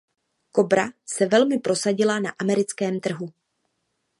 Cobra se velmi prosadila na americkém trhu.